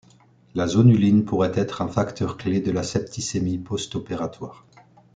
La zonuline pourrait être un facteur clé de la septicémie postopératoire.